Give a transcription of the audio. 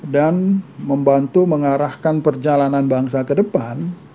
dan membantu mengarahkan perjalanan bangsa ke depan